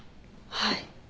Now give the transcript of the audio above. はい。